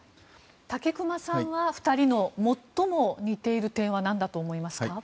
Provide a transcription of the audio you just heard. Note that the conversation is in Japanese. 武隈さんは２人の最も似ている点はなんだと思いますか？